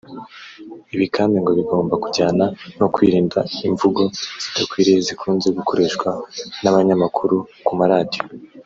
Ibi kandi ngo bigomba kujyana no kwirinda imvugo zidakwiriye zikunze gukoreshwa n’abanyamakuru ku maradiyo